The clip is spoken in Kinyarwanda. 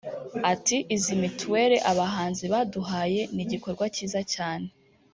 Ati “Izi mituelle abahanzi baduhaye ni igikorwa cyiza cyane